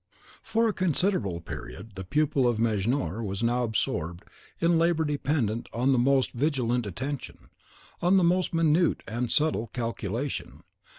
For a considerable period the pupil of Mejnour was now absorbed in labour dependent on the most vigilant attention, on the most minute and subtle calculation.